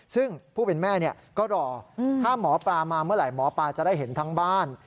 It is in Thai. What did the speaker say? ซึ่งผู้เป็นแม่ก็รอถ้าหมอปลามาเมื่อไหร่หมอปลาจะได้เห็นทั้งบ้าน